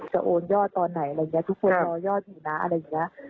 จะโอนยอดตอนไหนทุกคนรอยอดอยู่นะอะไรอย่างนี้